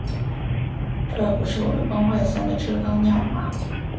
这不是我们崩坏三的知更鸟吗